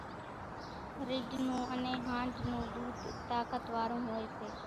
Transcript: رِڍ نون انين ۿانڍ نون ۮوڌ طاقت وارون هوئيَ سي۔